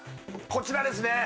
こちらですね